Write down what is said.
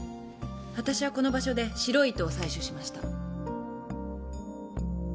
私はこの場所で白い糸を採取しました。